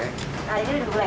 hari ini sudah boleh